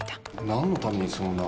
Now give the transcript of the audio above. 何のためにそんな？